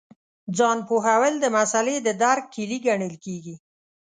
ځان پوهول د مسألې د درک کیلي ګڼل کېږي.